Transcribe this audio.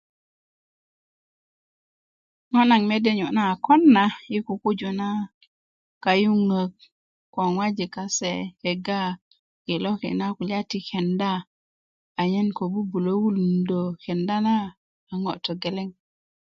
ko naŋ mede niyo na kon na i kukuju na kayuŋak ko ŋojik kase kega i loki na kulya ti kenda anyen ko 'bu'bulö wulunda kenda na a ŋo togeleŋ